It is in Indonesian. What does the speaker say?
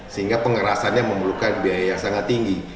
sehingga pengerasannya memerlukan biaya yang sangat tinggi